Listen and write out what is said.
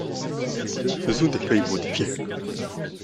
Ce sont des feuilles modifiées.